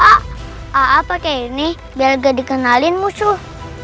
hai tunggu dulu ah apa kayak gini biar gak dikenalin musuh